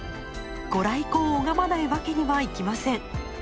ご来光を拝まないわけにはいきません。